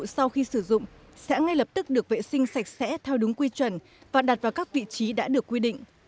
sẽ ngay lập tức được vệ sinh sạch sẽ theo đúng quy truẩn và đặt vào các vị trí đã được quy định